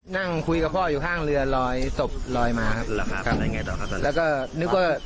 นั่งคุยกับพ่ออยู่ข้างเรือลอยศพลอยมาครับตอนนั้นแล้วก็นึกว่า